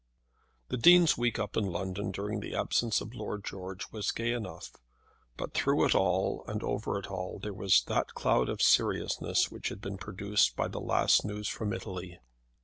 The Dean's week up in London during the absence of Lord George was gay enough; but through it all and over it all there was that cloud of seriousness which had been produced by the last news from Italy.